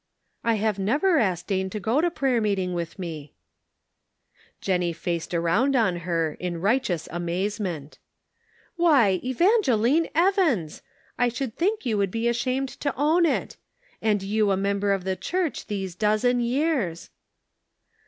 " I have never asked Dane to go to prayer meeting with me." Jennie faced around on her in righteous amazement. " Why, Evangeline Evans ! I should think 218 The Pocket Measure. you would be ashamed to own it ; and you a member of the church these dozen years